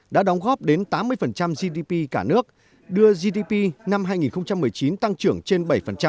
đã đóng góp đến tám mươi gdp cả nước đưa gdp năm hai nghìn một mươi chín tăng trưởng trên bảy